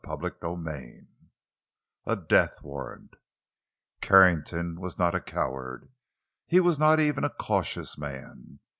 CHAPTER XXIV—A DEATH WARRANT Carrington was not a coward; he was not even a cautious man.